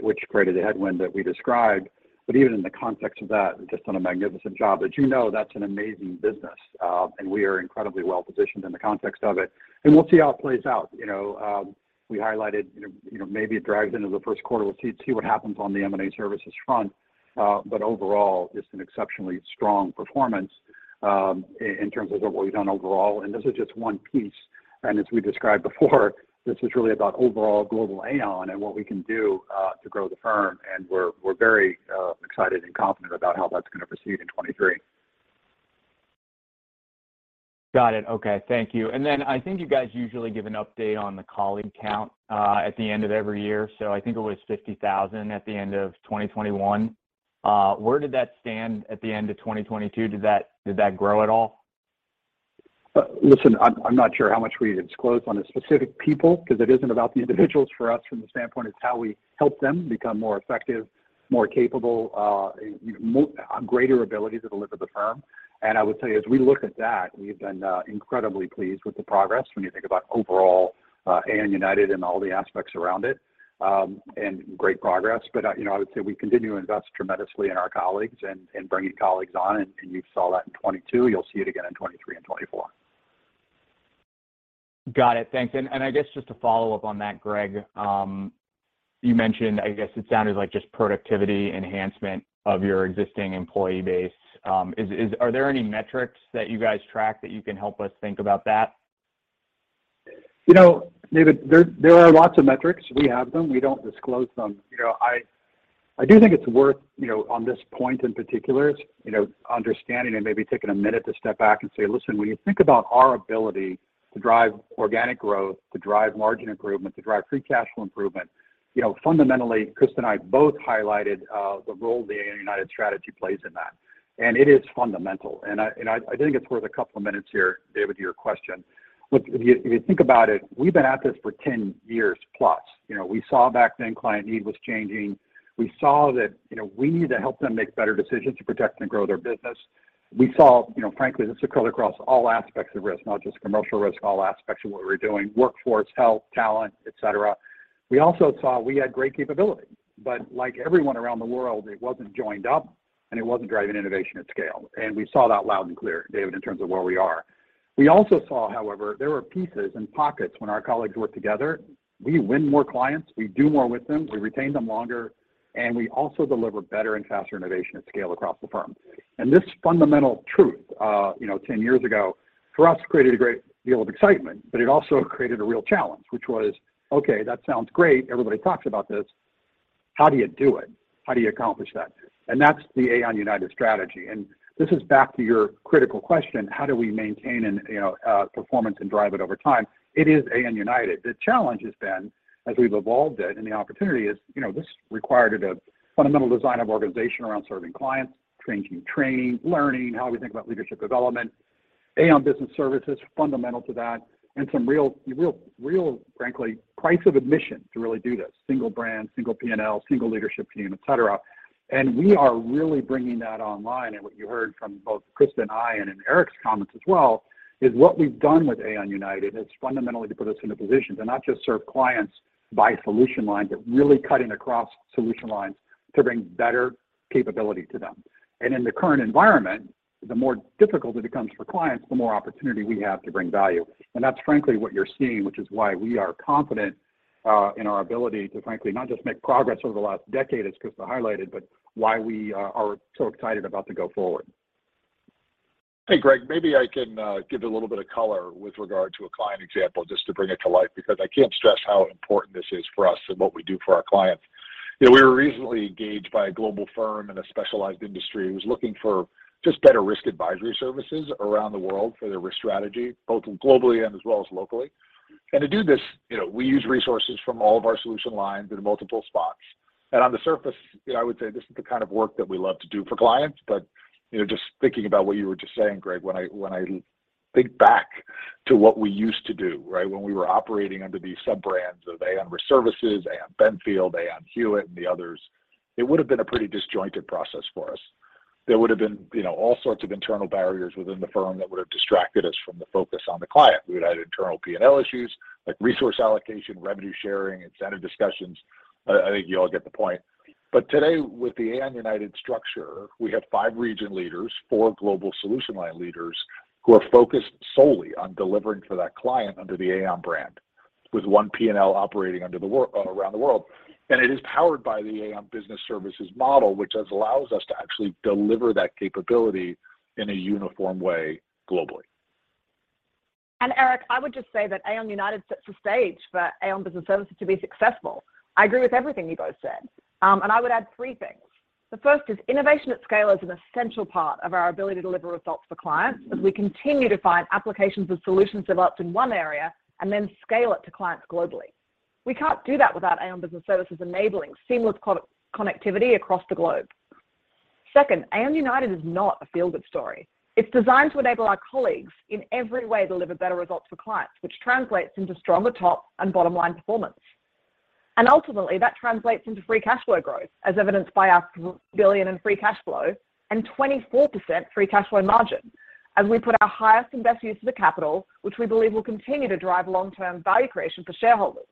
which created a headwind that we described. Even in the context of that, just done a magnificent job. As you know, that's an amazing business, and we are incredibly well-positioned in the context of it. We'll see how it plays out. You know, we highlighted, you know, maybe it drags into the first quarter. We'll see what happens on the M&A services front. Overall, just an exceptionally strong performance, in terms of what we've done overall, and this is just one piece. As we described before, this is really about overall global Aon and what we can do to grow the firm. We're very excited and confident about how that's gonna proceed in 2023. Got it. Okay. Thank you. I think you guys usually give an update on the colleague count at the end of every year. I think it was 50,000 at the end of 2021. Where did that stand at the end of 2022? Did that grow at all? Listen, I'm not sure how much we disclose on the specific people 'cause it isn't about the individuals for us from the standpoint. It's how we help them become more effective, more capable, you know, greater abilities that deliver the firm. I would tell you, as we look at that, we've been incredibly pleased with the progress when you think about overall Aon United and all the aspects around it, and great progress. You know, I would say we continue to invest tremendously in our colleagues and bringing colleagues on, and you saw that in 2022. You'll see it again in 2023 and 2024. Got it. Thanks. I guess just to follow up on that, Greg, you mentioned, I guess it sounded like just productivity enhancement of your existing employee base. Is there any metrics that you guys track that you can help us think about that? You know, David, there are lots of metrics. We have them. We don't disclose them. You know, I do think it's worth, you know, on this point in particular, you know, understanding and maybe taking a minute to step back and say, "Listen, when you think about our ability to drive organic growth, to drive margin improvement, to drive free cash flow improvement, you know, fundamentally, Chris and I both highlighted the role the Aon United strategy plays in that. It is fundamental. I think it's worth a couple of minutes here, David, to your question. Look, if you think about it, we've been at this for 10 years plus. You know, we saw back then client need was changing. We saw that, you know, we need to help them make better decisions to protect and grow their business. We saw, you know, frankly, this occurred across all aspects of risk, not just Commercial Risk, all aspects of what we're doing, workforce, health, talent, et cetera. We also saw we had great capability. But like everyone around the world, it wasn't joined up, and it wasn't driving innovation at scale. And we saw that loud and clear, David, in terms of where we are. We also saw, however, there were pieces and pockets when our colleagues worked together. We win more clients, we do more with them, we retain them longer, and we also deliver better and faster innovation at scale across the firm. And this fundamental truth, you know, 10 years ago, for us, created a great deal of excitement, but it also created a real challenge, which was, okay, that sounds great. Everybody talks about this. How do you do it? How do you accomplish that? That's the Aon United strategy. This is back to your critical question, how do we maintain and, you know, performance and drive it over time? It is Aon United. The challenge has been, as we've evolved it, and the opportunity is, you know, this required a fundamental design of organization around serving clients, changing training, learning how we think about leadership development, Aon Business Services fundamental to that and some real, frankly, price of admission to really do this. Single brand, single P&L, single leadership team, et cetera. We are really bringing that online. What you heard from both Christa and I and in Eric's comments as well, is what we've done with Aon United, it's fundamentally to put us in a position to not just serve clients by solution lines, but really cutting across solution lines to bring better capability to them. In the current environment, the more difficult it becomes for clients, the more opportunity we have to bring value. That's frankly what you're seeing, which is why we are confident in our ability to frankly not just make progress over the last decade as Christa highlighted, but why we are so excited about the go forward. Hey, Greg, maybe I can give it a little bit of color with regard to a client example, just to bring it to life, because I can't stress how important this is for us and what we do for our clients. You know, we were recently engaged by a global firm in a specialized industry who's looking for just better risk advisory services around the world for their risk strategy, both globally and as well as locally. To do this, you know, we use resources from all of our solution lines in multiple spots. On the surface, you know, I would say this is the kind of work that we love to do for clients, but, you know, just thinking about what you were just saying, Greg, when I think back to what we used to do, right? When we were operating under these sub-brands of Aon Risk Solutions, Aon Benfield, Aon Hewitt, and the others, it would have been a pretty disjointed process for us. There would have been, you know, all sorts of internal barriers within the firm that would have distracted us from the focus on the client. We would have had internal P&L issues like resource allocation, revenue sharing, incentive discussions. I think you all get the point. Today, with the Aon United structure, we have five region leaders, four global solution line leaders who are focused solely on delivering for that client under the Aon brand with one P&L operating around the world. It is powered by the Aon Business Services model, which has allowed us to actually deliver that capability in a uniform way globally. Eric, I would just say that Aon United sets the stage for Aon Business Services to be successful. I agree with everything you both said. I would add three things. The first is innovation at scale is an essential part of our ability to deliver results for clients as we continue to find applications and solutions developed in one area and then scale it to clients globally. We can't do that without Aon Business Services enabling seamless connectivity across the globe. Second, Aon United is not a feel-good story. It's designed to enable our colleagues in every way deliver better results for clients, which translates into stronger top and bottom line performance. Ultimately, that translates into free cash flow growth, as evidenced by our billion in free cash flow and 24% free cash flow margin. We put our highest and best use of the capital, which we believe will continue to drive long-term value creation for shareholders.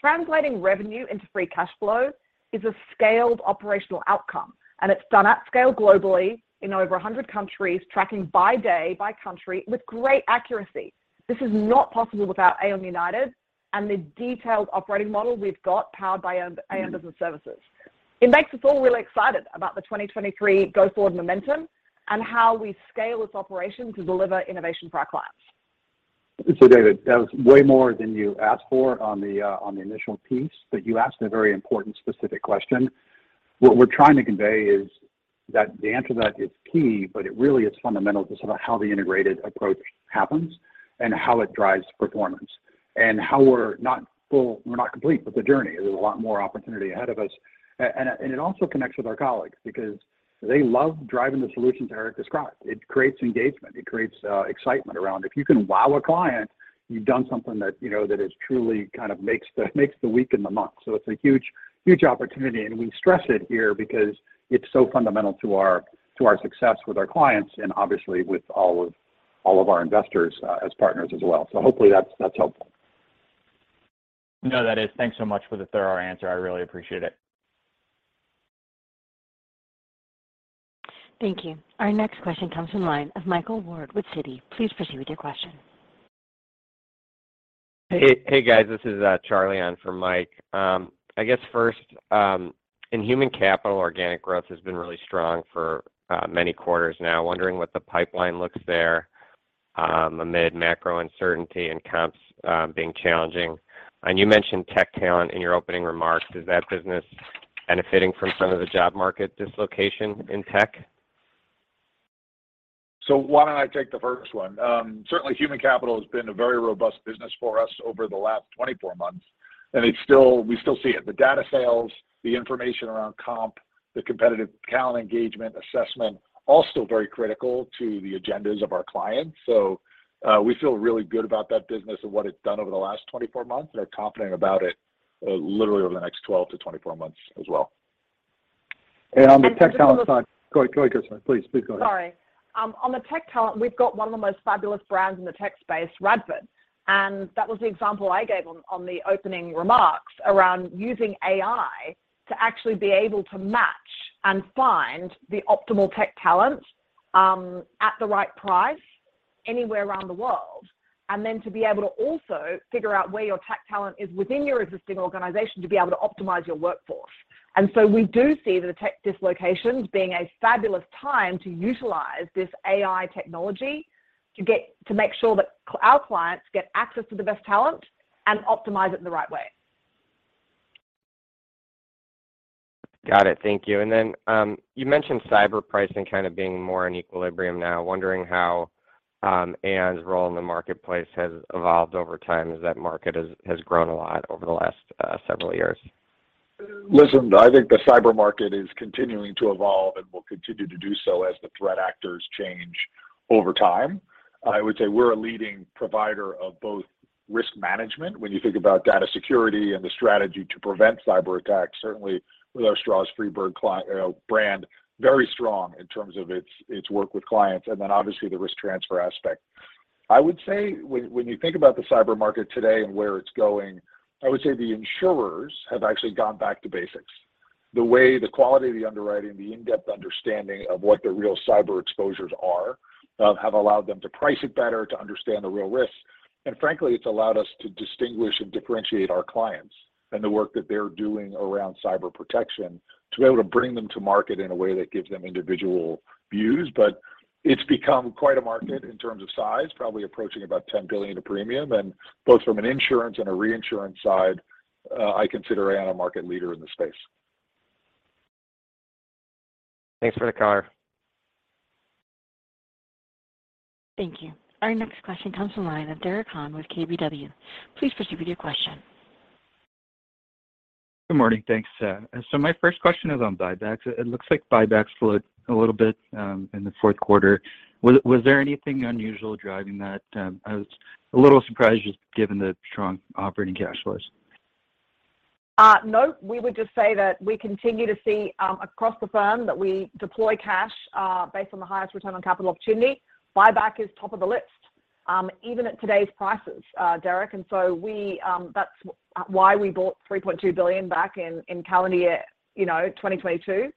Translating revenue into free cash flow is a scaled operational outcome, and it's done at scale globally in over 100 countries, tracking by day, by country with great accuracy. This is not possible without Aon United and the detailed operating model we've got powered by Aon Business Services. It makes us all really excited about the 2023 go forward momentum and how we scale this operation to deliver innovation for our clients. David, that was way more than you asked for on the initial piece, but you asked a very important specific question. What we're trying to convey is that the answer to that is key, but it really is fundamental to sort of how the integrated approach happens and how it drives performance and how we're not complete with the journey. There's a lot more opportunity ahead of us. It also connects with our colleagues because they love driving the solutions Eric described. It creates engagement, it creates excitement around if you can wow a client, you've done something that, you know, that is truly kind of makes the week and the month. It's a huge opportunity, and we stress it here because it's so fundamental to our success with our clients and obviously with all of our investors as partners as well. Hopefully that's helpful. No, that is. Thanks so much for the thorough answer. I really appreciate it. Thank you. Our next question comes from line of Michael Ward with Citi. Please proceed with your question. Hey, hey guys, this is Charlie on for Mike. I guess first, in human capital, organic growth has been really strong for many quarters now. Wondering what the pipeline looks there, amid macro uncertainty and comps being challenging. You mentioned tech talent in your opening remarks. Is that business benefiting from some of the job market dislocation in tech? Why don't I take the first one? Certainly human capital has been a very robust business for us over the last 24 months, and we still see it. The data sales, the information around comp, the competitive talent engagement, assessment, all still very critical to the agendas of our clients. We feel really good about that business and what it's done over the last 24 months and are confident about it, literally over the next 12-24 months as well. On the tech talent side. just a Go ahead. Go ahead, Christa. Please go ahead. Sorry. On the tech talent, we've got one of the most fabulous brands in the tech space, Radford, and that was the example I gave on the opening remarks around using AI to actually be able to match and find the optimal tech talent at the right price anywhere around the world, and then to be able to also figure out where your tech talent is within your existing organization to be able to optimize your workforce. We do see the tech dislocations being a fabulous time to utilize this AI technology to make sure that our clients get access to the best talent and optimize it the right way. Got it. Thank you. Then, you mentioned cyber pricing kind of being more in equilibrium now. Wondering how Aon's role in the marketplace has evolved over time as that market has grown a lot over the last several years. Listen, I think the cyber market is continuing to evolve and will continue to do so as the threat actors change over time. I would say we're a leading provider of both risk management, when you think about data security and the strategy to prevent cyberattacks, certainly with our Stroz Friedberg brand, very strong in terms of its work with clients. Then obviously the risk transfer aspect. I would say when you think about the cyber market today and where it's going, I would say the insurers have actually gone back to basics. The way the quality of the underwriting, the in-depth understanding of what their real cyber exposures are, have allowed them to price it better, to understand the real risks. Frankly, it's allowed us to distinguish and differentiate our clients and the work that they're doing around cyber protection to be able to bring them to market in a way that gives them individual views. It's become quite a market in terms of size, probably approaching about $10 billion of premium. Both from an insurance and a reinsurance side, I consider Aon a market leader in the space. Thanks for the color. Thank you. Our next question comes from the line of Meyer Shields with KBW. Please proceed with your question. Good morning. Thanks, Sam. My first question is on buybacks. It looks like buybacks slowed a little bit in the fourth quarter. Was there anything unusual driving that? I was a little surprised just given the strong operating cash flows. No. We would just say that we continue to see across the firm that we deploy cash based on the highest return on capital opportunity. Buyback is top of the list, even at today's prices, Derek. We, that's why we bought $3.2 billion back in calendar year, you know, 2022,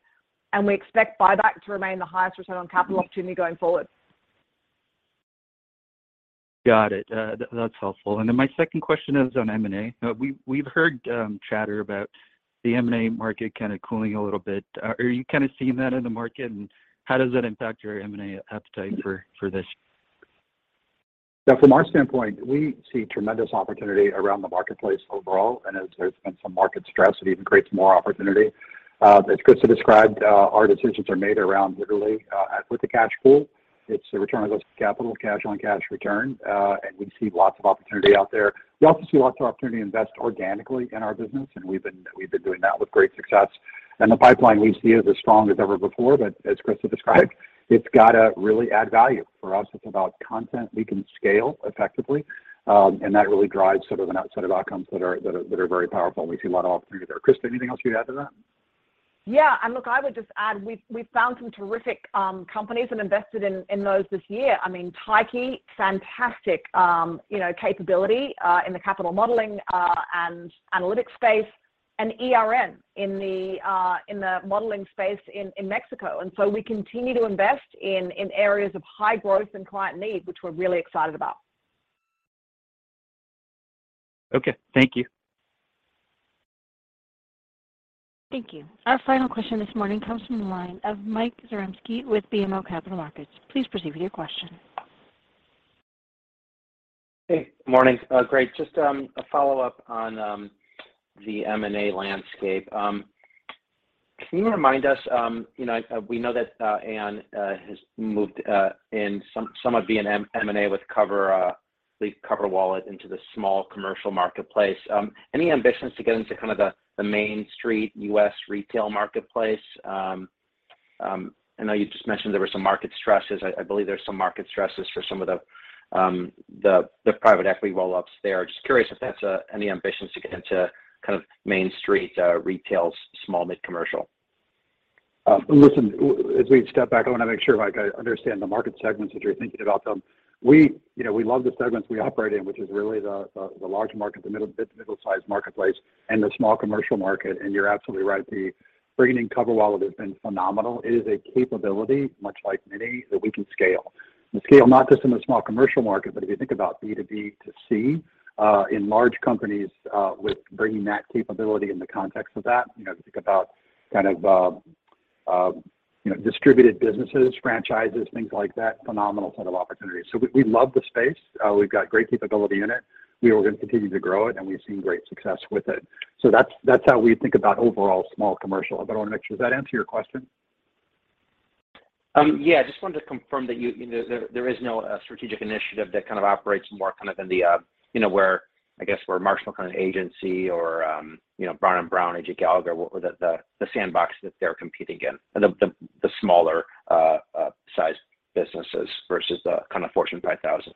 and we expect buyback to remain the highest return on capital opportunity going forward. Got it. That's helpful. My second question is on M&A. We've heard chatter about the M&A market kind of cooling a little bit. Are you kind of seeing that in the market, and how does that impact your M&A appetite for this? Yeah, from our standpoint, we see tremendous opportunity around the marketplace overall. As there's been some market stress, it even creates more opportunity. As Christa described, our decisions are made around literally, with the cash pool. It's the return on those capital, cash on cash return, and we see lots of opportunity out there. We also see lots of opportunity to invest organically in our business, and we've been doing that with great success. The pipeline we see is as strong as ever before, but as Christa described, it's gotta really add value. For us, it's about content we can scale effectively, and that really drives sort of an outset of outcomes that are very powerful, and we see a lot of opportunity there. Christa, anything else you'd add to that? Yeah. Look, I would just add, we found some terrific companies and invested in those this year. I mean, Tyche, fantastic, you know, capability in the capital modeling and analytics space, and ERN in the modeling space in Mexico. So we continue to invest in areas of high growth and client need, which we're really excited about. Okay. Thank you. Thank you. Our final question this morning comes from the line of Michael Zaremski with BMO Capital Markets. Please proceed with your question. Hey. Morning, Greg. Just a follow-up on the M&A landscape. Can you remind us, you know, we know that Aon has moved in some of the M&A with CoverWallet into the small commercial marketplace? Any ambitions to get into kind of the Main Street U.S. retail marketplace? I know you just mentioned there were some market stresses. I believe there's some market stresses for some of the private equity roll-ups there. Just curious if that's any ambitions to get into kind of Main Street retail small mid commercial? Listen, as we step back, I wanna make sure, Mike, I understand the market segments that you're thinking about. We, you know, we love the segments we operate in, which is really the large market, the middle size marketplace, and the small commercial market. You're absolutely right. The bringing CoverWallet has been phenomenal. It is a capability, much like, that we can scale, and scale not just in the small commercial market, but if you think about B2B2C in large companies with bringing that capability in the context of that. You know, think about kind of, you know, distributed businesses, franchises, things like that, phenomenal set of opportunities. We, we love the space. We've got great capability in it. We are gonna continue to grow it. We've seen great success with it. That's how we think about overall small commercial. I wanna make sure, does that answer your question? Yeah. Just wanted to confirm that you know, there is no strategic initiative that kind of operates more in the, you know, where, I guess, where a Marsh kind of agency or, you know, Brown & Brown, AJ Gallagher, what would the sandbox that they're competing in, and the smaller size businesses versus the kind of Fortune 5000.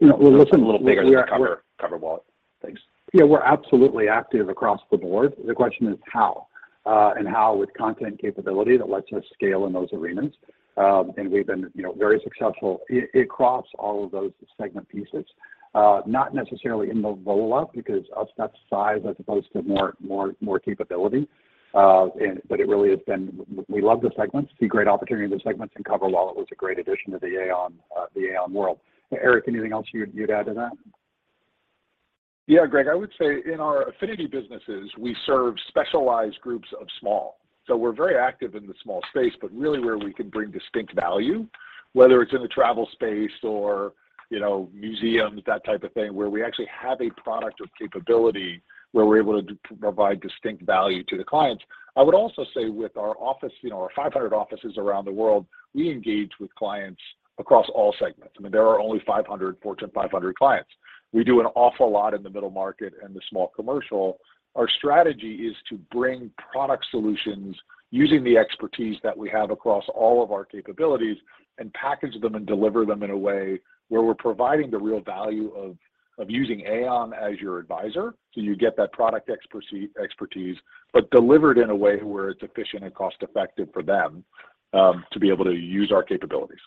Well, listen- Something a little bigger than the Cover-. We are, we're CoverWallet. Thanks. Yeah, we're absolutely active across the board. The question is how, and how with content capability that lets us scale in those agreements. We've been, you know, very successful across all of those segment pieces. Not necessarily in the roll-up because of that size as opposed to more capability. It really has been we love the segments, see great opportunity in the segments, and CoverWallet was a great addition to the Aon, the Aon world. Eric, anything else you'd add to that? Yeah, Greg. I would say in our affinity businesses, we serve specialized groups of small. We're very active in the small space, but really where we can bring distinct value. Whether it's in the travel space or, you know, museums, that type of thing, where we actually have a product or capability where we're able to provide distinct value to the clients. I would also say with our office, you know, our 500 offices around the world, we engage with clients across all segments. I mean, there are only 500 Fortune 500 clients. We do an awful lot in the middle market and the small commercial. Our strategy is to bring product solutions using the expertise that we have across all of our capabilities and package them and deliver them in a way where we're providing the real value of using Aon as your advisor, so you get that product expertise, but delivered in a way where it's efficient and cost-effective for them to be able to use our capabilities.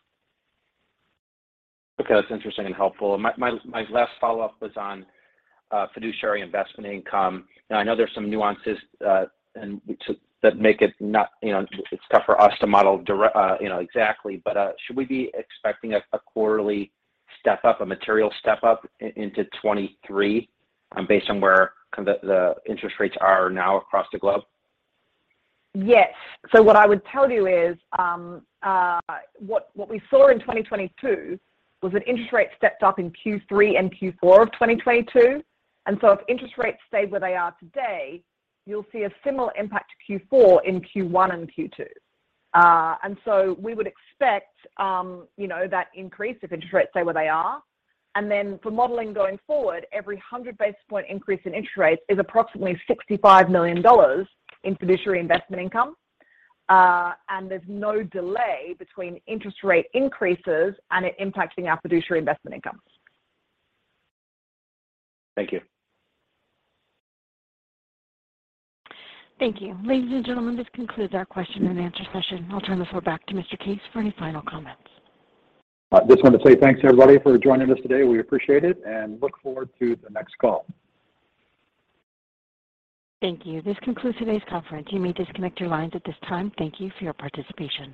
Okay. That's interesting and helpful. My last follow-up was on fiduciary investment income. I know there's some nuances that make it not, you know, it's tough for us to model, you know, exactly, but should we be expecting a quarterly step-up, a material step-up into 2023, based on where kind of the interest rates are now across the globe? Yes. What I would tell you is, what we saw in 2022 was that interest rates stepped up in Q3 and Q4 of 2022. If interest rates stay where they are today, you'll see a similar impact to Q4 in Q1 and Q2. We would expect, you know, that increase if interest rates stay where they are. For modeling going forward, every 100 basis point increase in interest rates is approximately $65 million in fiduciary investment income. There's no delay between interest rate increases and it impacting our fiduciary investment income. Thank you. Thank you. Ladies and gentlemen, this concludes our question and answer session. I'll turn the floor back to Mr. Case for any final comments. I just want to say thanks, everybody, for joining us today. We appreciate it and look forward to the next call. Thank you. This concludes today's conference. You may disconnect your lines at this time. Thank you for your participation.